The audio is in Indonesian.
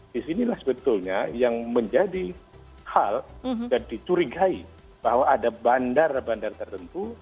disinilah sebetulnya yang menjadi hal dan dicurigai bahwa ada bandar bandar tertentu